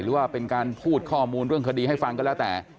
หรือว่าเป็นการพูดข้อมูลเรื่องคดีให้ฟังก็แล้วแต่